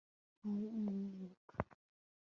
ntutwibuka